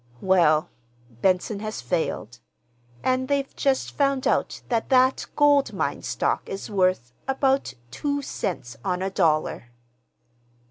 "Well, Benson has failed; and they've just found out that that gold mine stock is worth—about two cents on a dollar."